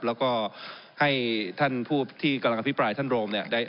แล้วก็ให้ท่านผู้ที่กำลังอภิปรายท่านโรมเนี่ย